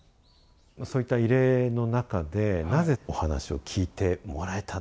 そういった異例の中でなぜお話を聞いてもらえた。